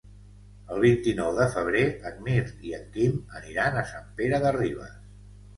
El vint-i-nou de febrer en Mirt i en Quim aniran a Sant Pere de Ribes.